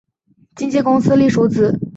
经纪公司隶属于。